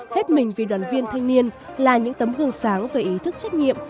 hết mình vì đoàn viên thanh niên là những tấm gương sáng về ý thức trách nhiệm